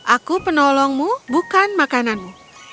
aku penolongmu bukan makananmu